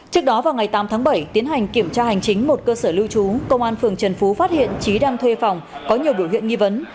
trước đó vào ngày tám tháng bảy tiến hành kiểm tra hành chính một cơ sở lưu trú công an phường trần phú phát hiện trí đang thuê phòng có nhiều biểu hiện nghi vấn